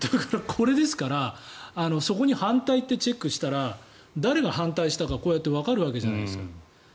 これですからそこに反対ってチェックしたら誰が反対したかこうやってわかるわけじゃないですか。